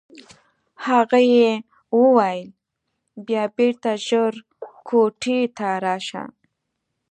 هغه یې وویل بیا بېرته ژر کوټې ته راشه.